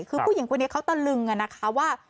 คู่ผู้หญิงกับเนี้ยเขาตะลึงน่ะค่ะว่า